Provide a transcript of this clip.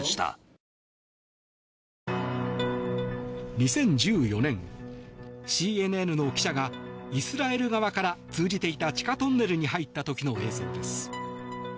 ２０１４年、ＣＮＮの記者がイスラエル側から通じていた地下トンネルに入った時の映像です。